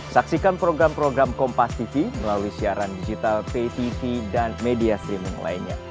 saksikan program program kompastv melalui siaran digital ptv dan media streaming lainnya